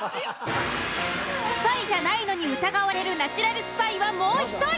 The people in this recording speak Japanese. スパイじゃないのに疑われるナチュラルスパイはもう１人。